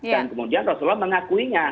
dan kemudian rasulullah mengakuinya